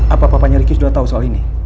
apa apanya ricky sudah tahu soal ini